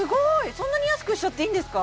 そんなに安くしちゃっていいんですか？